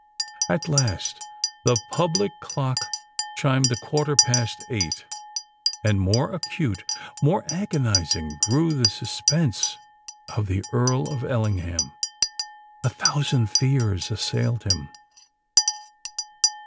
At last the prison clock chimed the quarter past eight; and more acute—more agonising grew the suspense of the Earl of Ellingham. A thousand fears assailed him.